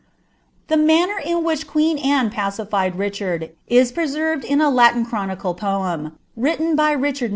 The manner in which queen Anne pacified Riclmrd. is Latin chronicle poem, wniien by Richard